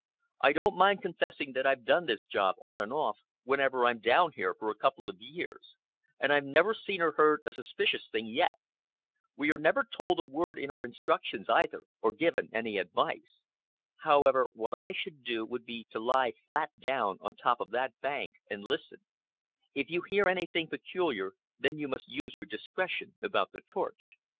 I don't mind confessing that I've done this job, on and off, whenever I've been down here, for a couple of years, and I've never seen or heard a suspicious thing yet. We are never told a word in our instructions, either, or given any advice. However, what I should do would be to lie flat down on the top of that bank and listen. If you hear anything peculiar, then you must use your discretion about the torch.